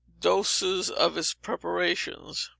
Doses of its preparations.